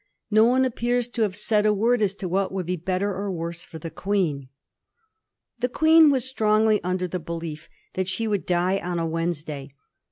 No one appears to have said a word as to what would be better or worse for the Queen. The Queen was strongly under the belief that she would die on a Wednesday.